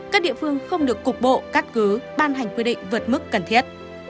các địa phương không được cục bộ cắt cứ ban hành quy định vượt mức cần thiết